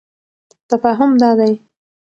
تفاهم دادی: